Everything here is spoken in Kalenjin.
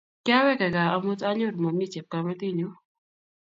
Kiawekei gaa amut anyoru momii chepkametinyu